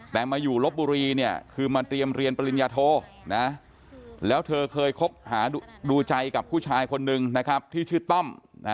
แต่มาอยู่ลบบุรีเนี่ยคือมาเตรียมเรียนปริญญาโทนะแล้วเธอเคยคบหาดูใจกับผู้ชายคนนึงนะครับที่ชื่อต้อม